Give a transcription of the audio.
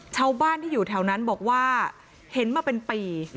ชาวบ้านที่อยู่แถวนั้นบอกว่าเห็นมาเป็นปี